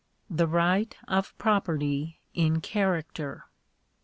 THE RIGHT OF PROPERTY IN CHARACTER.